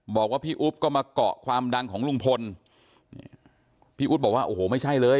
บอกว่าพี่อุ๊บก็มาเกาะความดังของลุงพลพี่อุ๊บบอกว่าโอ้โหไม่ใช่เลย